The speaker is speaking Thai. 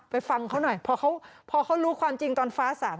ไปฟังเขาหน่อยพอเขารู้ความจริงตอนฟ้าศาสตร์